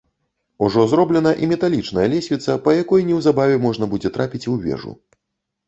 Ужо зроблена і металічная лесвіца, па якой неўзабаве можна будзе трапіць у вежу.